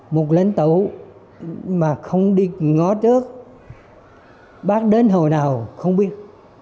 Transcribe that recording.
một lãnh tụ mà không đi ngó trước bác đến hồi nào không biết